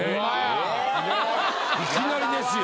いきなりですよ。